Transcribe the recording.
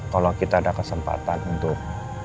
kalau kita ada kesempatan untuk